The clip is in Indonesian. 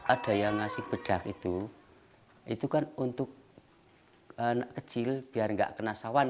ada yang ngasih bedak itu itu kan untuk anak kecil biar nggak kena sawan